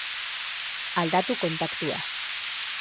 Aldatu kontaktua.